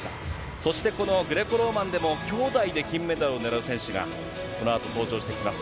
そしてこのグレコローマンでも、兄弟で金メダルをねらう選手が、このあと登場してきます。